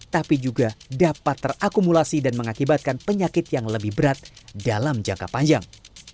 tapi juga dapat terakumulasi dan mengakibatkan penyakit yang lebih berat dalam jangka panjang